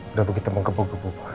udah begitu menggebu gebu pak